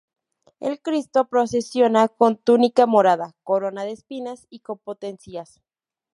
El cristo procesiona con túnica morada, corona de espinas y con potencias.